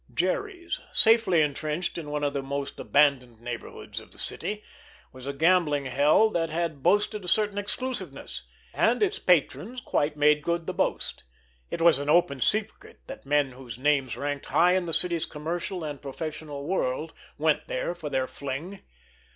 Jerry's, safely entrenched in one of the most abandoned neighborhoods of the city, was a gambling hell that yet boasted a certain exclusiveness—and its patrons quite made good the boast. It was an open secret that men whose names ranked high in the city's commercial and professional world went there for their fling.